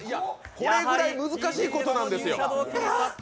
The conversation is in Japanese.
それぐらい難しいことなんですよ。